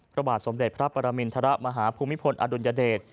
พระบาทสมเด็จพระปรมินทรมาฮภูมิพลอดุลยเดช